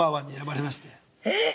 えっ！